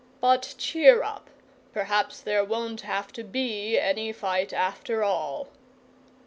"But cheer up! Perhaps there won't have to be any fight after all."